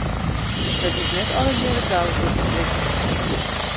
It is net allegearre goud wat der blikkert.